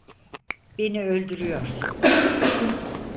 Beni öldürüyorsun!